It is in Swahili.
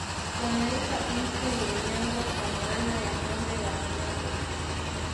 Wanaitwa Ente ye Nyambo kwa maana ya Ngombe wa Kinyambo